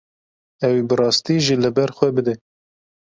Ew ê bi rastî jî li ber xwe bide.